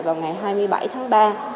vào ngày hai mươi bảy tháng ba